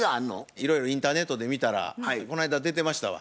いろいろインターネットで見たらこないだ出てましたわ。